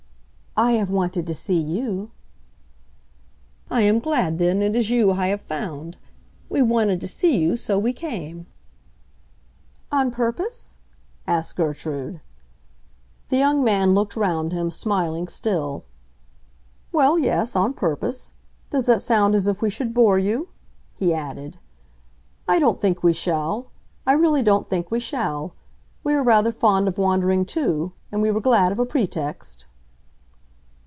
"I have wanted to see you." "I am glad, then, it is you I have found. We wanted to see you, so we came." "On purpose?" asked Gertrude. The young man looked round him, smiling still. "Well, yes; on purpose. Does that sound as if we should bore you?" he added. "I don't think we shall—I really don't think we shall. We are rather fond of wandering, too; and we were glad of a pretext."